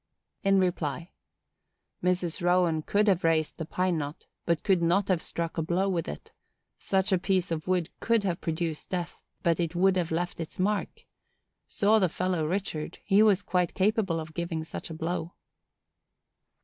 In reply.—Mrs. Rowand could have raised the pine knot, but could not have struck a blow with it; such a piece of wood could have produced death, but it would have left its mark; saw the fellow Richard; he was quite capable of giving such a blow.